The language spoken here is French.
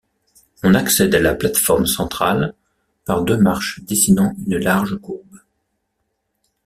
On accède à la plate-forme centrale par deux marches dessinant une large courbe.